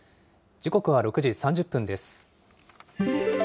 時刻は６時３０分です。